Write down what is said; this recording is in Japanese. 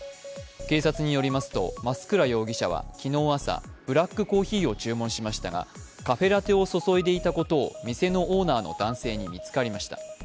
警察によりますと、増倉容疑者は昨日朝、ブラックコーヒーを注文しましたがカフェラテを注いでいたことを店のオーナーの男性に見つかりました。